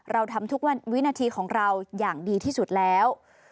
เราทำทุกวินาทีของเราอย่างดีที่สุดแล้ว